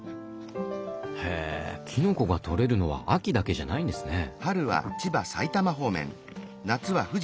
へぇきのこが採れるのは秋だけじゃないんですね。